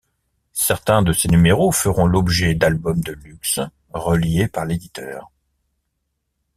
Certains de ses numéros feront l'objet d'album de luxe reliés par l'éditeur.